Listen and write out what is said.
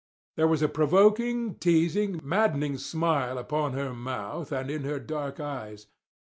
There was a provoking, teasing, maddening smile upon her mouth and in her dark eyes.